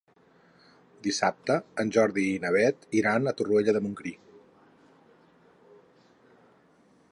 Dissabte en Jordi i na Beth iran a Torroella de Montgrí.